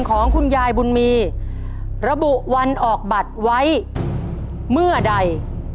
ของคุณยายบุญมีระบุวันออกบัตรไว้เมื่อใด